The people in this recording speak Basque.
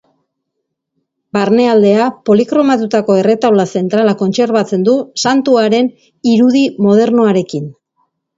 Barnealdea, polikromatutako erretaula zentrala kontserbatzen du, santuaren irudi modernoarekin.